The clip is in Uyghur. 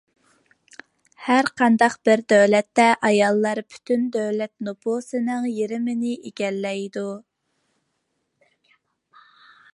ھەرقانداق بىر دۆلەتتە، ئاياللار پۈتۈن دۆلەت نوپۇسىنىڭ يېرىمىنى ئىگىلەيدۇ.